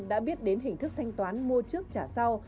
đã biết đến hình thức thanh toán mua trước trả sau